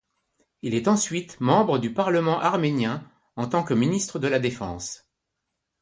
Il est ensuite membre du Parlement arménien en tant que Ministre de la Défense.